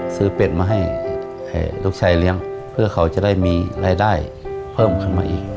เป็ดมาให้ลูกชายเลี้ยงเพื่อเขาจะได้มีรายได้เพิ่มขึ้นมาอีก